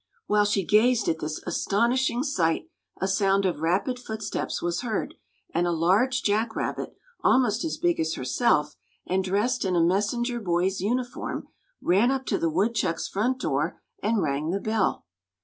While she gazed at this astonishing sight a sound of rapid footsteps was heard, and a large Jack Rabbit, almost as big as herself, and dressed in a messenger boy's uniform, ran up to the woodchuck's front door and rang the bell.